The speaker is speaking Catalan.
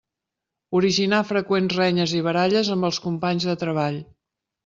Originar freqüents renyes i baralles amb els companys de treball.